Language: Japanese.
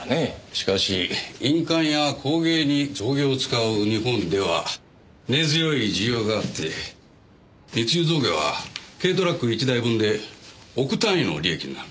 しかし印鑑や工芸に象牙を使う日本では根強い需要があって密輸象牙は軽トラック１台分で億単位の利益になる。